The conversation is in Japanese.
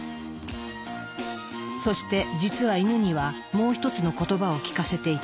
そして実はイヌにはもう一つの言葉を聞かせていた。